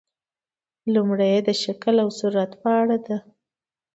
لومړۍ یې د شکل او صورت په اړه ده.